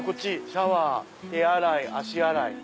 「シャワー手洗い足洗い」。